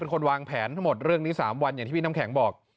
คนวางแผนทั้งหมดเรื่องนี้๓วันอย่างที่พี่น้ำแข็งบอก